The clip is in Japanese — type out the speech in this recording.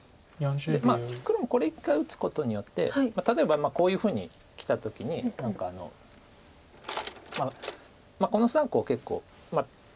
まあ黒もこれ１回打つことによって例えばこういうふうにきた時に何かまあこの３個を結構。